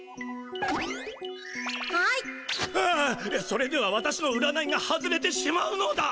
それでは私の占いが外れてしまうのだ！